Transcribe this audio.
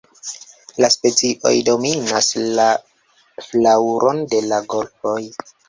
La specioj dominas la flaŭron de la golfoj.